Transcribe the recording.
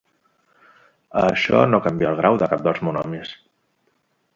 Això no canvia el grau de cap dels monomis.